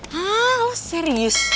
hah lo serius